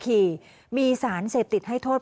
พี่เกียจพูดดวยแล้วจะจัดทาง